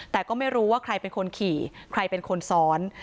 แต่ก็ไม่รู้ว่าใครเป็นคนขี่ใครเป็นคนซ้อน